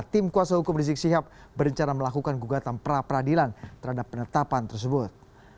tim kuasa hukum rizik sihab berencana melakukan gugatan pra peradilan terhadap penetapan tersebut